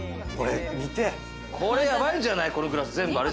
これやばいんじゃない？